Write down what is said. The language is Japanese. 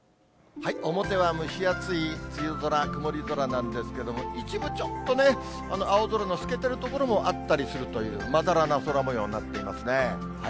表は蒸し暑い梅雨空、曇り空なんですけれども、一部ちょっとね、青空の透けてる所もあったりするという、まだらな空もようとなっていますね。